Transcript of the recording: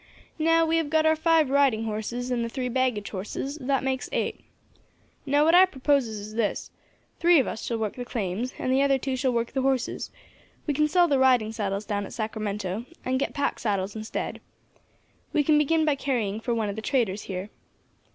Now we have got our five riding horses, and the three baggage horses, that makes eight. Now what I proposes is this: three of us shall work the claims, and the other two shall work the horses; we can sell the riding saddles down at Sacramento, and get pack saddles instead. We can begin by carrying for one of the traders here.